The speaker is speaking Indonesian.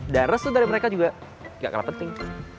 darah saudara mereka juga nggak kalah penting